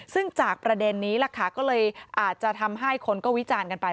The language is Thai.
ซึ่งจากประเด็นนี้ล่ะค่ะก็เลยอาจจะทำให้คนก็วิจารณ์กันไป